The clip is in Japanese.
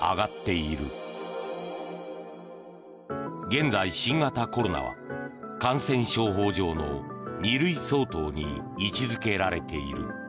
現在、新型コロナは感染症法上の２類相当に位置付けられている。